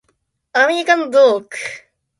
アメリカンドッグ